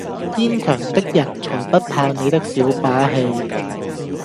堅強的人才不怕你的小把戲！